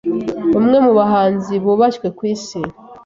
umwe mu bahanzi bubashywe ku Isi